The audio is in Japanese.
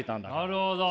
なるほど。